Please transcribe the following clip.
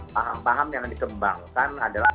paham paham yang dikembangkan adalah